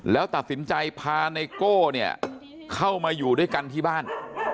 แล้วตัดสินใจพาไนโก้เนี่ยเข้ามาอยู่ด้วยกันที่บ้าน